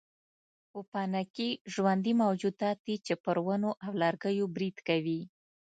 پوپنکي ژوندي موجودات دي چې پر ونو او لرګیو برید کوي.